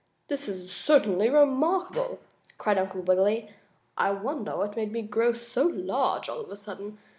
"This is certainly remarkable!" cried Uncle Wiggily. "I wonder what made me grow so large all of a sudden?